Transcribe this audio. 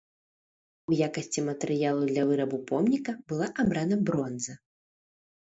У якасці матэрыялу для вырабу помніка была абрана бронза.